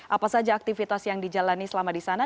apa saja aktivitas yang dijalani selama di sana